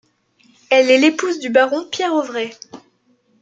Elle est l'épouse du baron Pierre Auvray.